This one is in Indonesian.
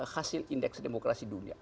hasil indeks demokrasi dunia